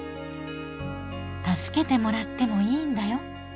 「助けてもらってもいいんだよ」。